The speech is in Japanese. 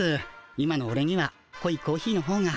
今のオレにはこいコーヒーのほうが。